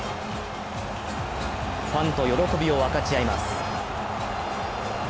ファンと喜びを分かち合います。